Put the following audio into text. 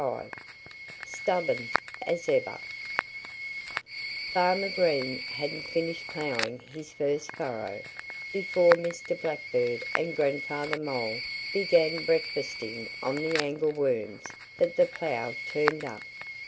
XXV STUBBORN AS EVER FARMER GREEN hadn't finished ploughing his first furrow before Mr. Blackbird and Grandfather Mole began breakfasting on the angleworms that the plough turned up.